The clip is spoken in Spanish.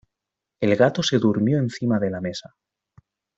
El gato se durmió encima de la mesa.